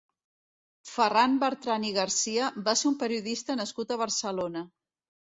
Ferran Bertran i Garcia va ser un periodista nascut a Barcelona.